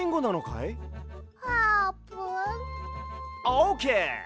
オーケー！